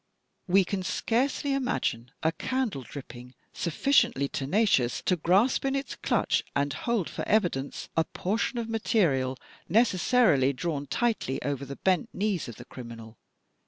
We can scarcely imagine a candle dripping sufficiently tenacious to grasp in its clutch and hold for evidence a por tion of material necessarily drawn tightly over the bent knees 176 THE TECHNIQUE OF THE MYSTERY STORY of the criminal.